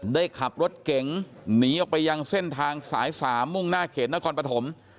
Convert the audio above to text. ขับรถเก๋งหนีออกไปยังเส้นทางสาย๓มุ่งหน้าเขตนครปฐม